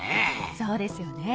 そうですよね。